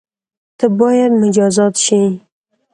ته بايد مجازات شی